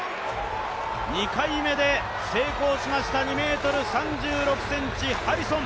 ２回目で成功しました２ｍ３６ｃｍ、ハリソン。